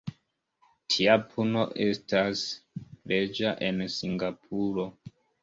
Tia puno estas leĝa en Singapuro.